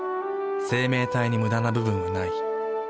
生命体にムダな部分はない。